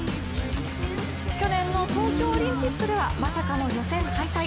去年の東京オリンピックではまさかの予選敗退。